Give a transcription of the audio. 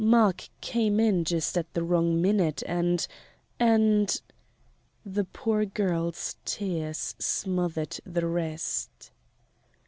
Mark came in just at the wrong minute, and and " The poor girl's tears smothered the rest.